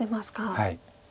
はい。